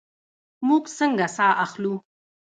موږ څنګه ساه اخلو؟